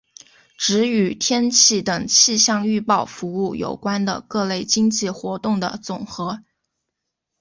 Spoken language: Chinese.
指与天气等气象预报服务有关的各类经济活动的总和。